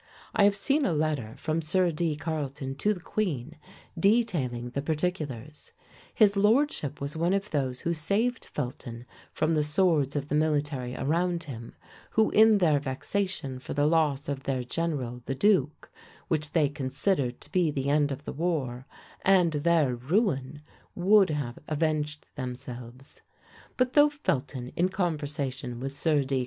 I have seen a letter from Sir D. Carleton to the queen, detailing the particulars; his lordship was one of those who saved Felton from the swords of the military around him, who in their vexation for the loss of their general the duke, which they considered to be the end of the war, and their ruin, would have avenged themselves. But though Felton, in conversation with Sir D.